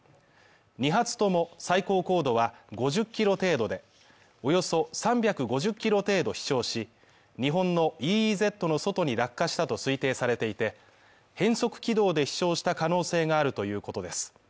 ２発とも最高高度は５０キロ程度でおよそ３５０キロ程度飛翔し、日本のＥＥＺの外に落下したと推定されていて、変則軌道で飛翔した可能性があるということです。